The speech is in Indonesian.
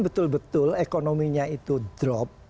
betul betul ekonominya itu drop